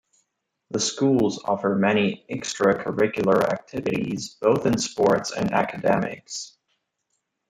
The schools offer many extracurricular activities both in sports and academics.